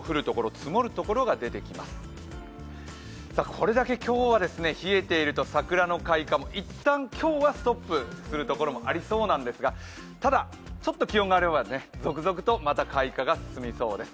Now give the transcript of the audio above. これだけ今日は冷えていると、桜の開花も一旦今日はストップする所もありそうなんですが、ただ、ちょっと気温が上がれば続々と開花が進みそうです。